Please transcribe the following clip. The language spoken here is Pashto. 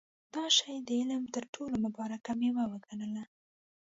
دا شی د علم تر ټولو مبارکه مېوه وګڼله.